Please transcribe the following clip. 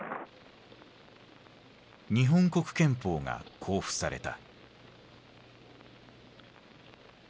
日本国憲法が公布された。